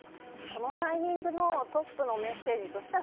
このタイミングのトップのメッセージとしては